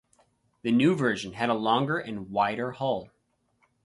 The new version had a longer and wider hull.